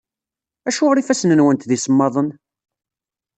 Acuɣer ifassen-nwent d isemmaḍen?